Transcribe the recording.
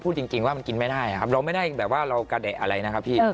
จริงว่ามันกินไม่ได้ครับเราไม่ได้แบบว่าเรากระเดะอะไรนะครับพี่